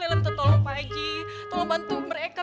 lela minta tolong pak haji tolong bantu mereka